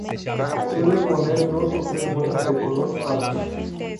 Suelen poner dos o tres huevos de color pardo.